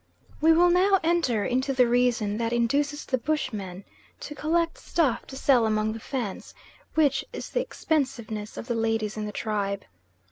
We will now enter into the reason that induces the bush man to collect stuff to sell among the Fans, which is the expensiveness of the ladies in the tribe.